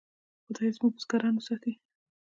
خدای دې زموږ بزګران وساتي.